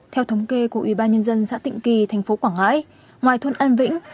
theo thống kê của ủy ban nhân dân xã tịnh kỳ thành phố quảng ngãi ngoài thôn an vĩnh